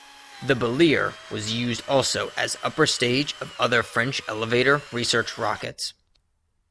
The Belier was used also as upper stage of other French elevator research rockets.